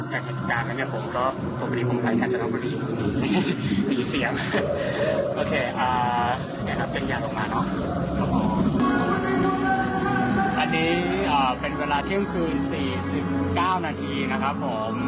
ยังไม่หยุดใช้เสียงตามที่ตกลงกันไว้นะครับ